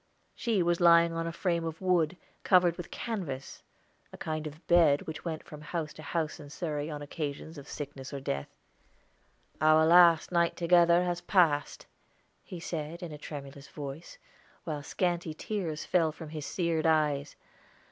She was lying on a frame of wood, covered with canvas, a kind of bed which went from house to house in Surrey, on occasions of sickness or death. "Our last night together has passed," he said in a tremulous voice, while scanty tears fell from his seared eyes.